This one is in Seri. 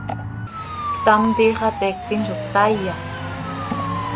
¿Ctam, tiix hateiictim zo ctaaiya?